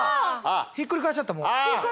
ひっくり返しちゃったもう。